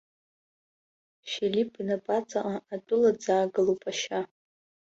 Филипп инапаҵаҟа атәыла ӡаагылоуп ашьа.